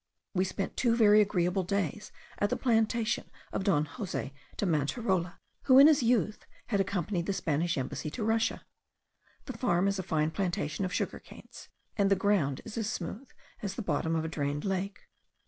We spent two very agreeable days at the plantation of Don Jose de Manterola, who in his youth had accompanied the Spanish embassy to Russia. The farm is a fine plantation of sugar canes; and the ground is as smooth as the bottom of a drained lake.